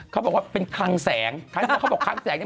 เขาบอกว่าเป็นคางแสงแล้วเขาบอกคางแสงนี่